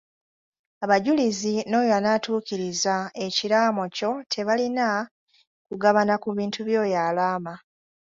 Abajulizi n'oyo anaatuukiriza ekiraamo kyo tebalina kugabana ku bintu by'oyo alaama.